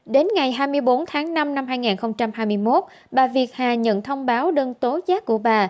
đến ngày hai mươi bốn tháng năm năm hai nghìn hai mươi một bà việt hà nhận thông báo đơn tố giác của bà